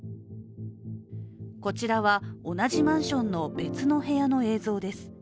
こちらは同じマンションの別の部屋の映像です。